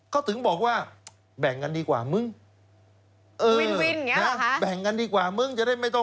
เขาถึงบอกว่าแบ่งกันดีกว่ามึง